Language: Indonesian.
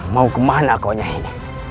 mau kemana kau nyahirin